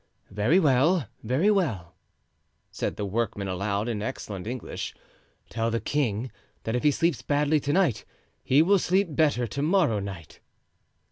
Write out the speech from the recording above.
"Very well, very well," said the workman aloud, in excellent English. "Tell the king that if he sleeps badly to night he will sleep better to morrow night."